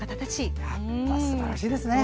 すばらしいですね。